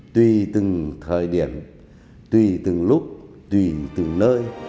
tùy từng thời điểm tùy từng lúc tùy từng nơi